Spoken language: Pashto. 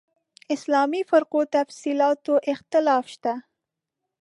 اسلامي فرقو تفصیلاتو اختلاف شته.